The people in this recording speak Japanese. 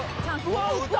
うわっ打った！